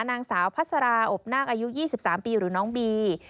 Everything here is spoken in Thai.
นางสาวพัสราอบนาคอายุ๒๓ปีหรือน้องบี